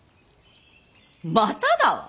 まただわ。